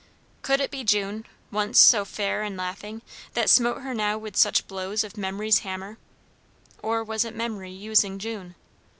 Could it be June, once so fair and laughing, that smote her now with such blows of memory's hammer? or was it Memory using June?